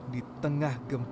di tengah gempaan